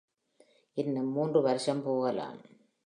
இன்னும் மூன்று வருஷம் போகலாம்.